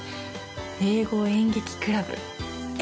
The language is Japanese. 英語演劇クラブ。